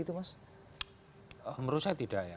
menurut saya tidak ya